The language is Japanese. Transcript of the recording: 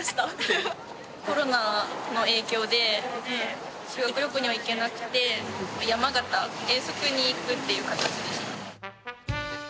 コロナの影響で修学旅行には行けなくて山形、遠足に行くという形でしたね。